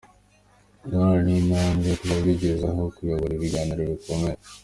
Na none ni intambwe kuba bigeze aho kuyobora ibiganiro bikomeye.